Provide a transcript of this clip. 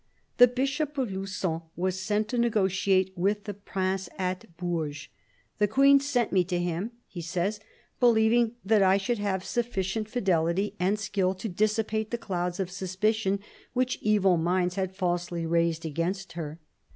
The Bishop of Lugon was sent to negotiate with the Prince at Bourges. "The Queen sent me to him," he says, " believing that I should have sufficient fidelity and THE BISHOP OF LUgON 85 skill to dissipate the clouds of suspicion which evil minds had falsely raised against her."